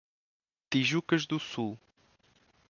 Tijucas do Sul